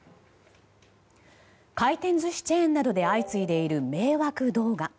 回転寿司チェーンなどで相次いでいる迷惑動画。